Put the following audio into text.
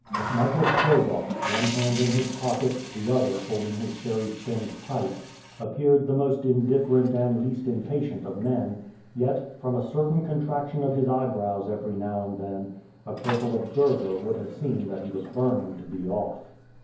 Michael Strogoff, one hand in his pocket, the other holding his cherry stemmed pipe, appeared the most indifferent and least impatient of men; yet, from a certain contraction of his eyebrows every now and then, a careful observer would have seen that he was burning to be off.